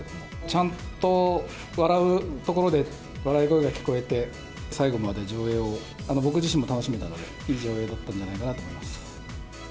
ちゃんと笑うところで笑い声が聞こえて、最後まで上映を、僕自身も楽しめたので、いい上映だったんじゃないかなと思います。